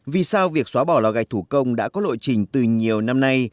vì sao việc xóa bỏ lò gạch thủ công đã có lộ trình từ nhiều năm nay